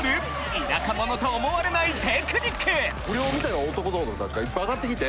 田舎者と思われないテクニック不良みたいな男たちがいっぱいあがってきて。